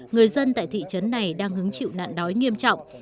người dân tại thị trấn này đang hứng chịu nạn đói nghiêm trọng